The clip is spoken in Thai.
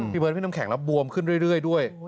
เบิร์ดพี่น้ำแข็งแล้วบวมขึ้นเรื่อยด้วย